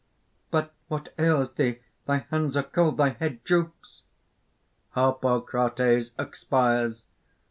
_) "But ... what ails thee ... thy hands are cold, thy head droops!" (_Harpocrates expires.